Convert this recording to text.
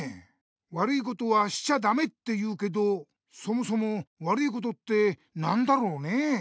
悪いことはしちゃダメって言うけどそもそも「悪いこと」って何だろうね？